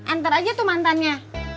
antar aja tuh mantannya